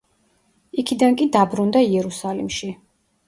იქიდან კი დაბრუნდა იერუსალიმში.